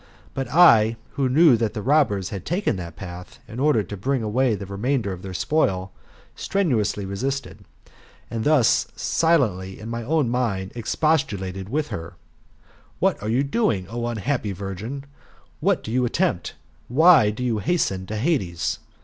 But I, who knew that the robbers had taken that path, in order to bring away the remainder of their spoil, strenuously resisted, and thus silently, in my own mind, expos tulated with her: "What are you doing, O unhappy virgin? What do you attempt ? Why do you hasten to Hades